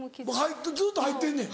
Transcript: ずっと入ってんねん。